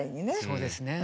そうですね。